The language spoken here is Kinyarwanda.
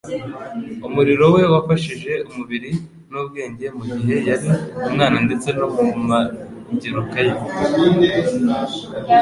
Umurimo we wafashije umubiri n'ubwenge mu gihe yari umwana ndetse no mu mabyiruka ye.